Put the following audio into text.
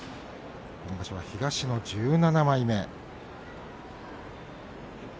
今場所は東の１７枚目。